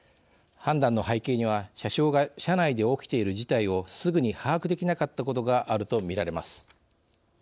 判断の背景には車掌が車内で起きている事態をすぐに把握できなかったことがあるとみられます。